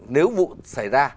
nếu vụ xảy ra